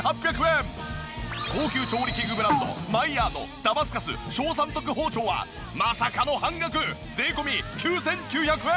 高級調理器具ブランドマイヤーのダマスカス小三徳包丁はまさかの半額税込９９００円！